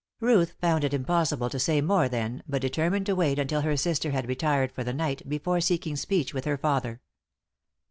Ruth found it impossible to say more then, but determined to wait until her sister had retired for the night before seeking speech with her father.